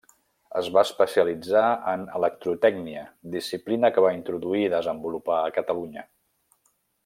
Es va especialitzar en electrotècnia, disciplina que va introduir i desenvolupar a Catalunya.